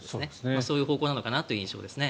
そういう方向なのかなという印象です。